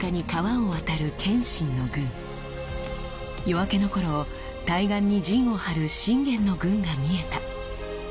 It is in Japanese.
夜明けの頃対岸に陣を張る信玄の軍が見えた。